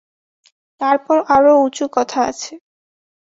তারপর আরও উঁচু কথা আছে।